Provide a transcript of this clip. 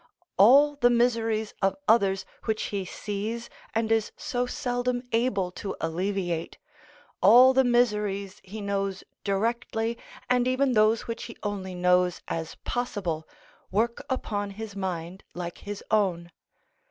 All the miseries of others which he sees and is so seldom able to alleviate, all the miseries he knows directly, and even those which he only knows as possible, work upon his mind like his own.